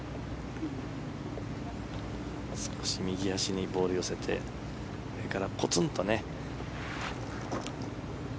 少し右足にボールを寄せて上からコツンとね。